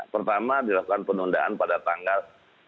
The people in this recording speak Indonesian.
pertama dilakukan penundaan pada tanggal